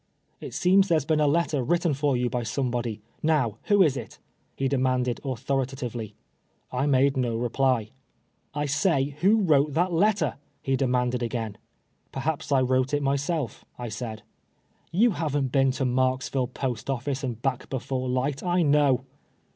" It seems there has been a letter wi'itten for you by somebody. Xow, who is it ?" he demanded, authori tatively. I made no reply. " I say, who wrote that letter ?" he demanded again. " Perhaps I wrote it myself," I said. " You haven't been to Marksville post office and back before light, I know."